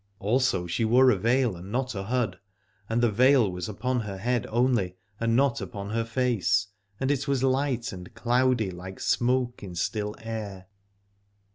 Also she wore a veil and not a hood, and the veil was upon her head only and not upon her face, and it was light and cloudy like smoke in 6tiil air.